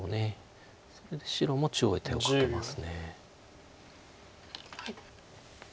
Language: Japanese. それで白も中央へ手をかけます。